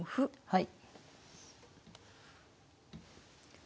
はい。